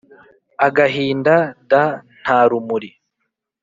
Agahinda d nta rumuri